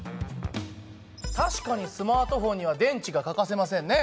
確かにスマートフォンには電池が欠かせませんね。